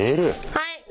はい。